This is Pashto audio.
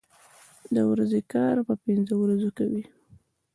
د ورځې کار په پنځو ورځو کوي.